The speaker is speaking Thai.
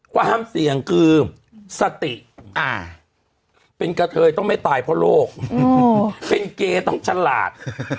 ความเสี่ยงคือสติเป็นกะเทยต้องไม่ตายเพราะโรคเป็นเกย์ต้องฉลาด